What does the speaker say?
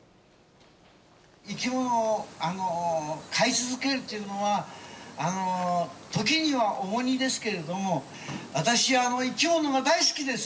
生き物を飼い続けるというのは、時には重荷ですけれども、私は生き物が大好きです。